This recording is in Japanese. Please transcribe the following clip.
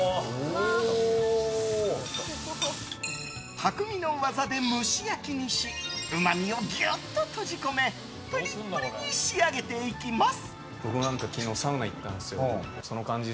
匠の技で蒸し焼きにしうまみをギュッと閉じ込めプリップリに仕上げていきます。